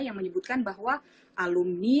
yang menyebutkan bahwa alumni